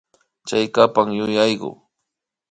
Chaykapan yuyaku